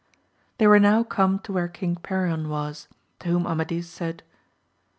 They were now come to where King Perion was, to whom Amadis said.